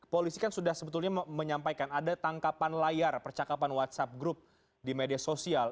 polisi kan sudah sebetulnya menyampaikan ada tangkapan layar percakapan whatsapp group di media sosial